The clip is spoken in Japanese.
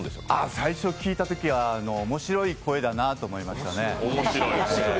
最初、聴いたときは面白い声だなと思いましたね。